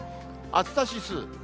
暑さ指数。